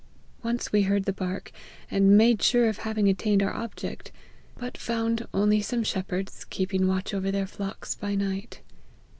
Once we heard the bark, and made sure of having at tained our object ; but found only some shepherds 172 LIFE OF HENRY MARTYN. keeping watch over their flocks by night.